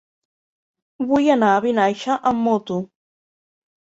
Vull anar a Vinaixa amb moto.